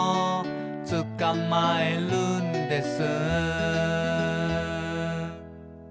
「つかまえるんです」